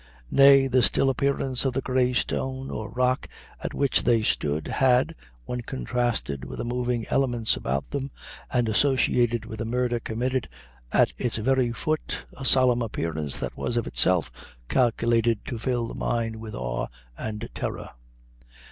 Nay, the still appearance of the Grey Stone, or rock, at which they stood, had, when contrasted with the moving elements about them, and associated with the murder committed at its very foot, a solemn appearance that was of itself calculated to fill the mind with awe and terror.